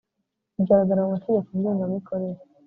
bigaragara mu Mategeko ngenga mikorere